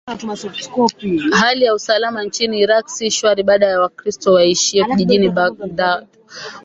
hali ya usalama nchini iraq si shwari baada ya wakirsto waishio jijini baghdad